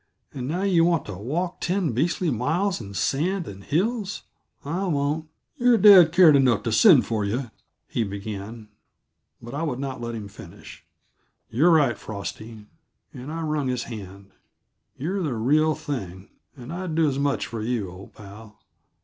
"And now you want to walk ten beastly miles of sand and hills. I won't " "Your dad cared enough to send for you " he began, but I would not let him finish. "You're right, Frosty," and I wrung his hand. "You're the real thing, and I'd do as much for you, old pal.